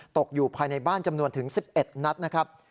ตกอยู่ภายในบ้านจำนวนถึง๑๑นัดนะครับ